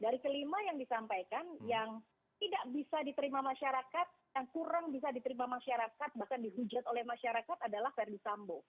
dari kelima yang disampaikan yang tidak bisa diterima masyarakat yang kurang bisa diterima masyarakat bahkan dihujat oleh masyarakat adalah verdi sambo